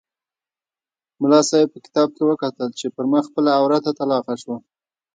ملا صاحب په کتاب کې وکتل چې پر ما خپله عورته طلاقه شوه.